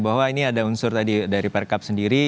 bahwa ini ada unsur tadi dari perkap sendiri